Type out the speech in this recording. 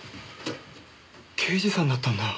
刑事さんだったんだ。